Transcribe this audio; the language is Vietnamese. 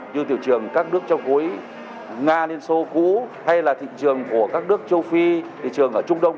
như thị trường các nước trong khối nga liên xô cũ hay là thị trường của các nước châu phi thị trường ở trung đông